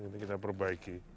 ini kita perbaiki